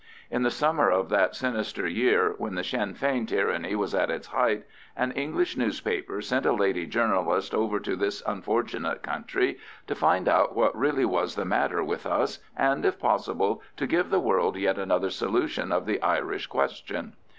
In the summer of that sinister year, when the Sinn Fein tyranny was at its height, an English newspaper sent a lady journalist over to this unfortunate country to find out what really was the matter with us, and, if possible, to give the world yet another solution of the Irish Question.